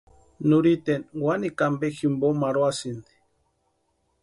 Nurhiteni wanikwa ampe jimpo marhuasïnti.